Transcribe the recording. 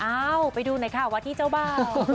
อ้าวไปดูหน่อยค่ะวัทธิเจ้าบ้า